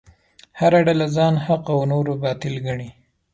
هره ډله ځان حق او نور باطل ګڼي.